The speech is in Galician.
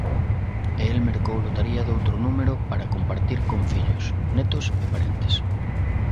E el mercou lotaría doutro número para compartir con fillos, netos e parentes.